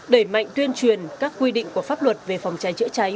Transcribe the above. đẩy mạnh tuyên truyền các quy định của pháp luật về phòng cháy chữa cháy